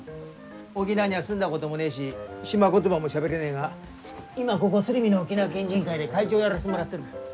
沖縄には住んだこともねえし島言葉もしゃべれねえが今はここ鶴見の沖縄県人会で会長をやらせてもらってる。